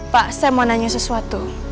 pak saya mau nanya sesuatu